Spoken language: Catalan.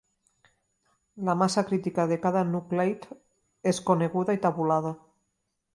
La massa crítica de cada nucleid és coneguda i tabulada.